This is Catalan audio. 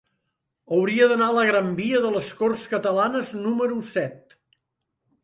Hauria d'anar a la gran via de les Corts Catalanes número set.